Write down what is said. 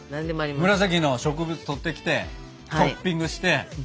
紫の植物とってきてトッピングして。